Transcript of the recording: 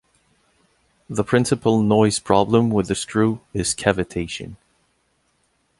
The principal noise problem with a screw is cavitation.